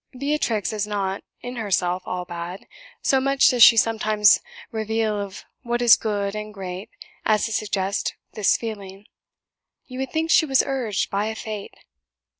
Beatrix is not, in herself, all bad. So much does she sometimes reveal of what is good and great as to suggest this feeling you would think she was urged by a fate.